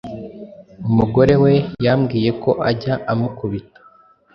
umugore we yambwiyeko ajya amukubita